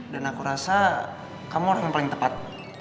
dan aku rasa kamu orang yang paling tepat